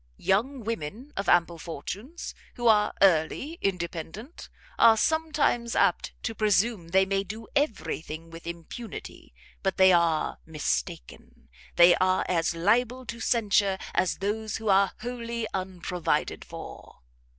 Young women of ample fortunes, who are early independent, are sometimes apt to presume they may do every thing with impunity; but they are mistaken; they are as liable to censure as those who are wholly unprovided for."